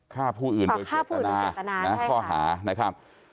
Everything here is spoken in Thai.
ฆ่าผู้อื่นโดยเจตนาข้อหานะครับ